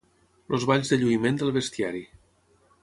Els balls de lluïment del bestiari.